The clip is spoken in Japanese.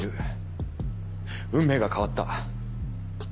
運命が変わった。